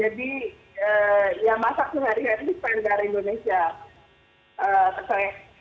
jadi yang masak sehari hari itu sepandar indonesia